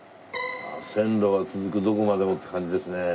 線路は続くどこまでもって感じですね。